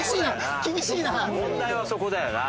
問題はそこだよな。